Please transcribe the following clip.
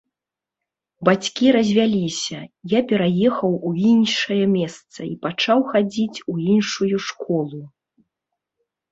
Бацькі развяліся, я пераехаў у іншае месца і пачаў хадзіць у іншую школу.